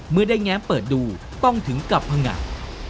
เมื่อได้แง้มเปิดดูต้องถึงกับพังงะ